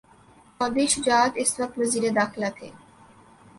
چوہدری شجاعت اس وقت وزیر داخلہ تھے۔